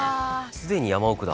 すでに山奥だ